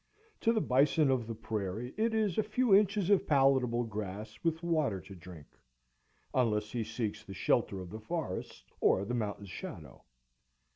To the bison of the prairie it is a few inches of palatable grass, with water to drink; unless he seeks the Shelter of the forest or the mountain's shadow.